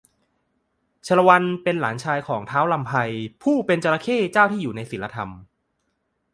ชาละวันเป็นหลานชายของ ท้าวรำไพ ผู้เป็นจระเข้เจ้าที่อยู่ในศีลธรรม